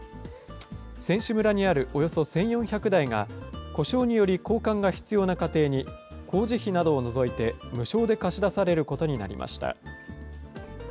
選手村にあるおよそ１４００台が、故障により交換が必要な家庭に、工事費などを除いて無償で貸し出されることになりました。